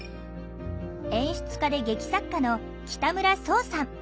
演出家で劇作家の北村想さん。